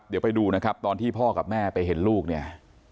เดี๋ยวไปดูนะครับตอนที่พ่อกับแม่ไปเห็นลูกเนี่ย